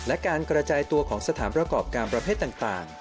และการกระจายตัวของสถานประกอบการประเภทต่าง